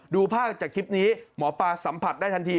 ดูภาพจากคลิปนี้หมอปลาสัมผัสได้ทันที